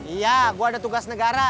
iya gue ada tugas negara